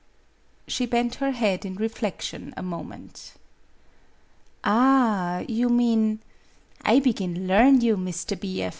She bent her head in reflection a moment. "Ah, you mean I begin learn you, Mr. B.